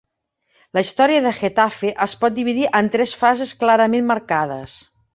La història de Getafe es pot dividir en tres fases clarament marcades.